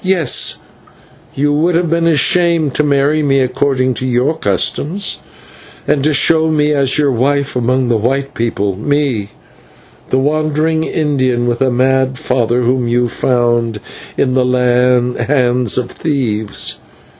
Yes, you would have been ashamed to marry me according to your customs, and to show me as your wife among the white people me, the wandering Indian with a mad father whom you found in the hands of thieves.